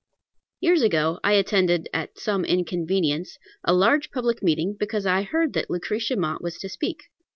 ] Years ago I attended, at some inconvenience, a large public meeting, because I heard that Lucretia Mott was to speak.